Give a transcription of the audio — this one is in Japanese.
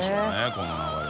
この流れ。